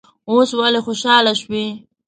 اوس ولې خوشاله شوې.